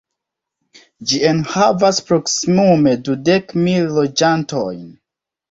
Ĝi enhavas proksimume dudek mil loĝantojn.